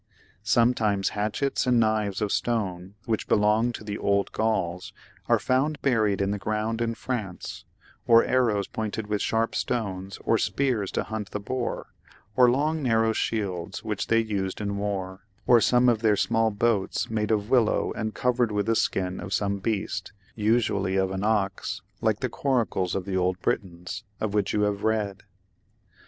Sometimes hatchets an^ knives of 8tone which belonged to the old Gauls are found buried in the ground in France, or arrows pointed witli sharp stones, or spears to hunt the boar, or long narrowl shields, which they used in war, or some of their small boats \ made of willow and covered with the skin of some beast, i usually of an ox, like the coracles of the old Britons, of I I.] ANCIENT GA UJL which you have read.